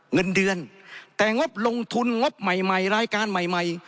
เงินเดือนแต่งบลงทุนงบใหม่ใหม่รายการใหม่ใหม่